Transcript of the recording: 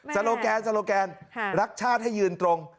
สโลแกนรักชาติให้ยืนตรง